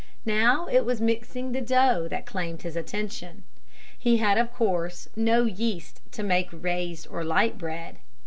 Now it was mixing the dough that claimed his attention. He had of course no yeast to make raised or light bread.